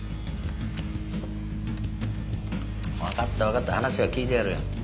分かった分かった話は聞いてやるよ。